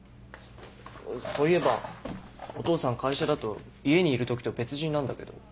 そういえばお父さん会社だと家にいる時と別人なんだけど。